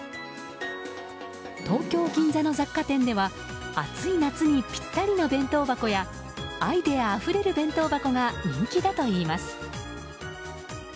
東京・銀座の雑貨店では暑い夏にぴったりの弁当箱やアイデアあふれる弁当箱が人気だといいます。